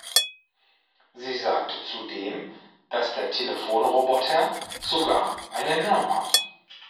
Sie sagte zudem, dass der Telefonroboter sogar einen Namen hat.